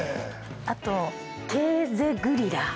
あとケーゼグリラー。